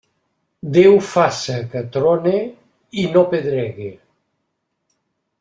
Déu faça que trone i no pedregue.